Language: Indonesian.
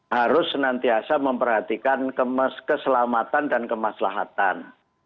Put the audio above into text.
harus senantiasa memperhatikan keselamatan dan kemaslahatan